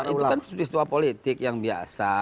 itu kan istuapolitik yang biasa